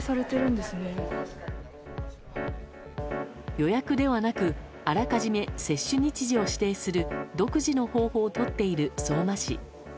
予約ではなくあらかじめ接種日時を指定する独自の方法をとっている相馬市。